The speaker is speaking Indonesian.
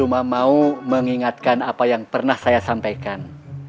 kamu kan pernah kecopetan